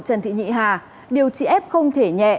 trần thị nhị hà điều trị f không thể nhẹ